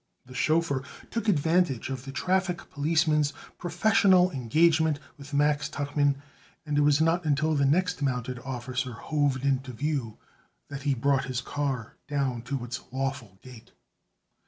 The chauffeur took advantage of the traffic policeman's professional engagement with Max Tuchman, and it was not until the next mounted officer hove into view that he brought his car down to its lawful gait.